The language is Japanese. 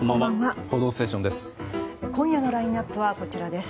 「報道ステーション」です。